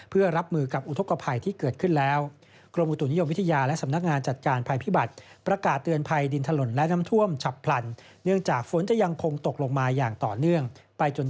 เพื่อรับมือกับอุทธกภัยที่เกิดขึ้นแล้ว